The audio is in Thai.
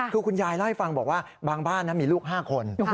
คือคุณยายเล่าให้ฟังบอกว่าบางบ้านมีลูก๕คน